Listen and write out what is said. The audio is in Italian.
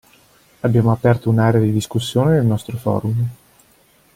Abbiamo aperto un'area di discussione nel nostro forum.